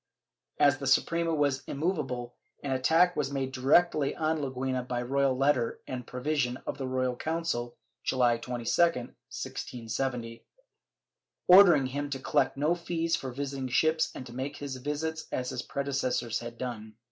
As the Suprema was immovable, an attack was made directly on Leguina by a royal letter and provision of the Royal Council, January 22, 1670, ordering him to collect no fees for visiting ships and to make his visits as his predecessors had done.